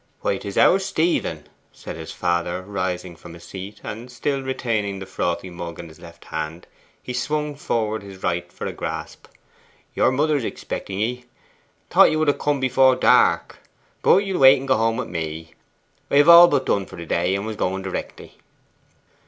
'Why, 'tis our Stephen!' said his father, rising from his seat; and, still retaining the frothy mug in his left hand, he swung forward his right for a grasp. 'Your mother is expecting ye thought you would have come afore dark. But you'll wait and go home with me? I have all but done for the day, and was going directly.